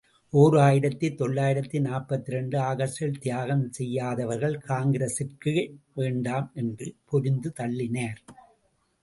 ஓர் ஆயிரத்து தொள்ளாயிரத்து நாற்பத்திரண்டு ஆகஸ்டில் தியாகம் செய்யாதவர்கள் காங்கிரசிற்கே வேண்டாம் என்று பொரிந்து தள்ளினார்.